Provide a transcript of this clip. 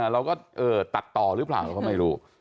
เราก็ตัดต่อหรือเปล่าเราก็ไม่รู้